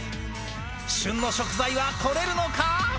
旬の食材はとれるのか。